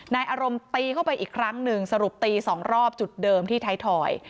อารมณ์ตีเข้าไปอีกครั้งหนึ่งสรุปตีสองรอบจุดเดิมที่ไทยทอย